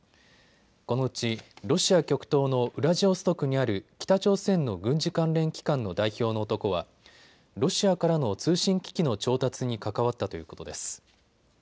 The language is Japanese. このうちロシア極東のウラジオストクにある北朝鮮の軍事関連機関の代表の男はロシアからの通信機器の調達に関わったということです。